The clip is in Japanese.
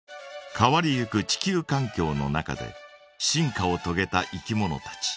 変わりゆく地球かん境の中で進化をとげたいきものたち。